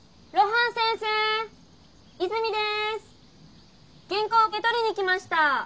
原稿受け取りに来ました。